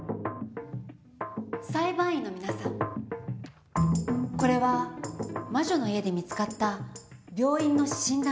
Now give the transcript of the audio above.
裁判員の皆さんこれは魔女の家で見つかった病院の診断書です。